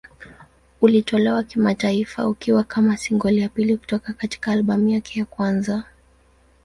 Ulitolewa kimataifa ukiwa kama single ya pili kutoka katika albamu yake ya kwanza.